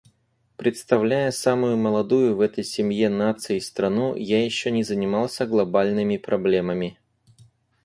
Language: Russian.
Представляя самую молодую в этой семье наций страну, я еще не занимался глобальными проблемами.